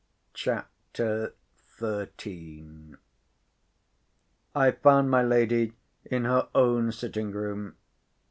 CHAPTER XIII I found my lady in her own sitting room.